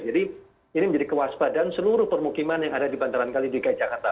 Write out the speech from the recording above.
jadi ini menjadi kewaspadaan seluruh permukiman yang ada di bantaran kali di kai jakarta